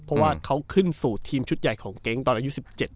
เพราะว่าเขาขึ้นสู่ทีมชุดใหญ่ของเก๊งตอนอายุ๑๗